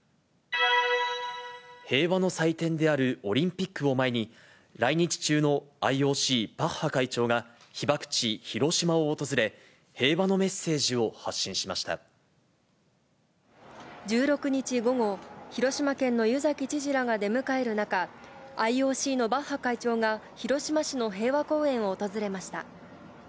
平和の祭典であるオリンピックを前に、来日中のＩＯＣ、バッハ会長が被爆地、広島を訪れ、１６日午後、広島県の湯崎知事らが出迎える中、ＩＯＣのバッハ会長が広島市の平和公園を訪れました。